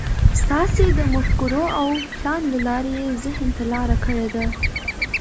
ستاسې د مفکورو او پلان له لارې يې ذهن ته لاره کړې ده.